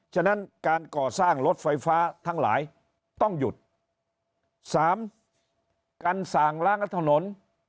ฉะนั้นการก่อสร้างรถไฟฟ้าทั้งหลายต้องหยุดสามการสั่งล้างถนน